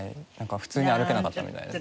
普通に歩けなかったみたいですね。